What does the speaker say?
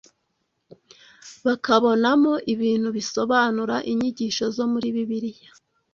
bakabonamo ibintu bisobanura inyigisho zo muri Bibiliya